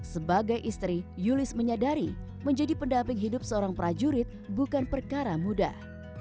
sebagai istri yulis menyadari menjadi pendamping hidup seorang prajurit bukan perkara mudah